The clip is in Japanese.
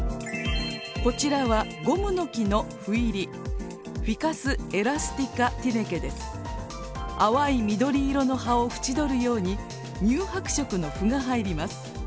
こちらはゴムノキの斑入り淡い緑色の葉を縁取るように乳白色の斑が入ります。